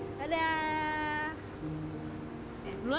masa kemudian kemudian kemudian